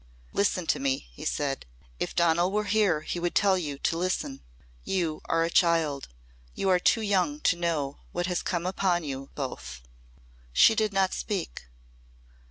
"Listen to me," he said. "If Donal were here he would tell you to listen. You are a child. You are too young to know what has come upon you both." She did not speak.